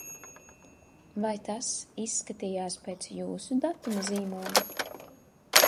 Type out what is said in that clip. Vai tas izskatījās pēc jūsu datuma zīmoga?